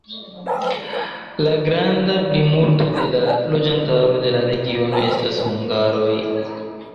La granda plimulto de la loĝantaro de la regiono estas hungaroj.